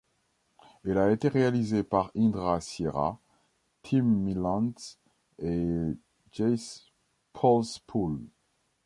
Elle a été réalisée par Indra Siera, Tim Mielants et Gijs Polspoel.